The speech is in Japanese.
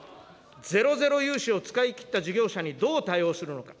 ゼロゼロ融資を使い切った事業者にどう対応するのか。